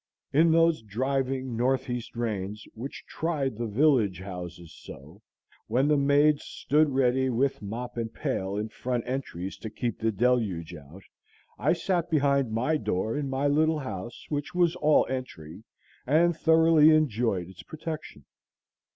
In those driving north east rains which tried the village houses so, when the maids stood ready with mop and pail in front entries to keep the deluge out, I sat behind my door in my little house, which was all entry, and thoroughly enjoyed its protection.